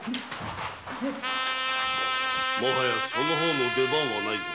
もはやその方の出番はないぞ。